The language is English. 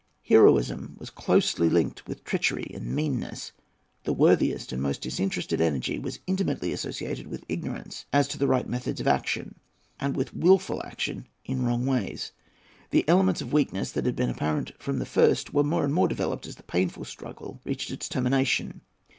Heroism was closely linked with treachery and meanness. The worthiest and most disinterested energy was intimately associated with ignorance as to the right methods of action, and with wilful action in wrong ways. The elements of weakness that had been apparent from the first were more and more developed as the painful struggle reached its termination.